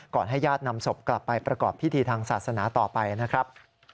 ให้ญาตินำศพกลับไปประกอบพิธีทางศาสนาต่อไปนะครับ